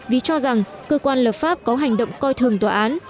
vì cho rằng cơ quan lập pháp có hành động coi thường tòa án